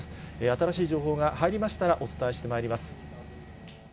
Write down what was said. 新しい情報が入りましたらお伝えしてまいります。